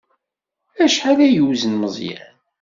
Acḥal ay yewzen Meẓyan?